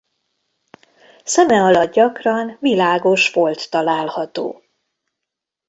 Szeme alatt gyakran világos folt található.